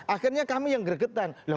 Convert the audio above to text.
akhirnya kami yang gregetan